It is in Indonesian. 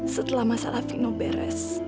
setelah masalah vino beres